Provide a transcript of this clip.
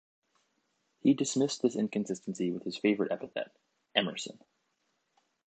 He dismissed this inconsistency with his favorite epithet, Emerson!